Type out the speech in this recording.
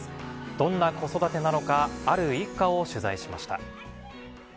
どんな子育てなのか、ある一家を取材しました。